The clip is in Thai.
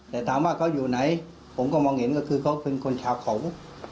แต่ถามว่าเขาอยู่ไหนผมก็มองเห็นก็คือเขาเป็นคนชาวเขา